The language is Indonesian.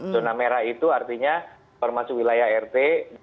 zona merah itu artinya permasu wilayah rt delapan